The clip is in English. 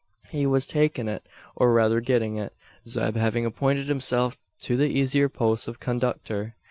He was taking it, or rather getting it Zeb having appointed himself to the easier post of conductor.